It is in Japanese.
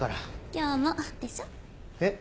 「今日も」でしょ？えっ？